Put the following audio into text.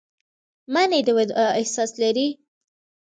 منی د وداع احساس لري